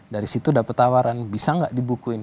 dari situ dapat tawaran bisa nggak dibukuin